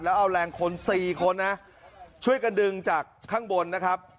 แล้วเอาแรงคน๔คนนะช่วยกันดึงจากข้างบนนะครับ